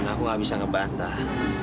dan aku nggak bisa ngebantah